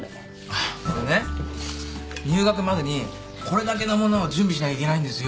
あっこれね入学までにこれだけの物を準備しなきゃいけないんですよ。